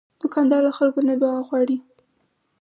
دوکاندار له خلکو نه دعا غواړي.